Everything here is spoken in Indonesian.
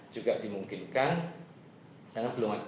juga dimungkinkan karena belum ada